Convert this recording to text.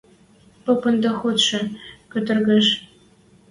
Попын доходшы кӧтӹргӹш.